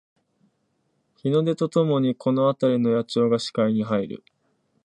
日の出とともにこのあたりの野鳥が視界に入る